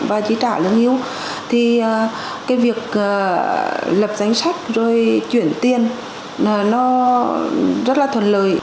và chi trả lương hưu thì việc lập danh sách rồi chuyển tiền rất là thuận lợi